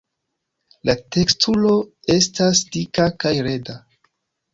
La teksturo estas dika kaj leda.